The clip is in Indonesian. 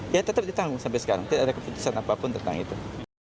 ya tetap ditanggung sampai sekarang tidak ada keputusan apapun tentang itu